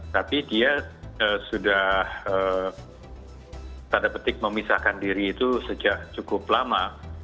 tapi dia sudah tanda petik memisahkan diri itu sejak cukup lama